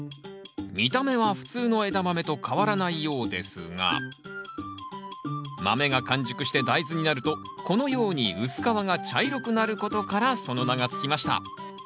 見た目は普通のエダマメと変わらないようですが豆が完熟して大豆になるとこのように薄皮が茶色くなることからその名が付きました。